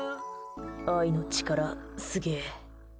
愛の力、すげえ。